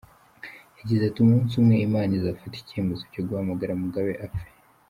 Yagize ati “Umunsi umwe Imana izafata icyemezo cyo guhamagara Mugabe apfe.